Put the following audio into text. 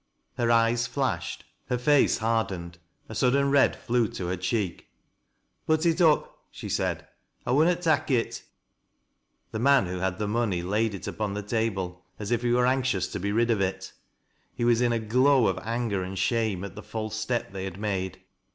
Her eyes flashed, her face hardened, a sudden red flew to her cheek. " Put it up," she said. " I wunnot tak' it." The man who had the money laid it upon the tab'e, as if he were anxious to be rid of it. He was in a gU'Vf of anger and shame at the false step they had made.